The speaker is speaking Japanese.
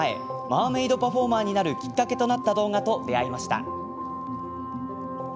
マーメードパフォーマーになるきっかけとなった動画と出会いました。